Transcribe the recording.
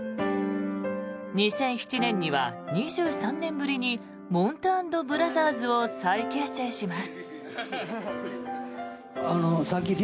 ２００７年には、２３年ぶりにもんた＆ブラザーズを再結成します。